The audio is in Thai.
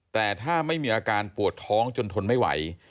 แต่ถ้าไม่มีอาการปวดท้องจนทนไม่ไหว